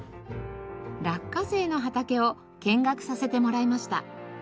落花生の畑を見学させてもらいました。